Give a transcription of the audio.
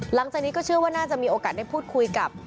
หลังจากนี้ก็เชื่อว่าน่าจะมีโอกาสได้พูดคุยกับ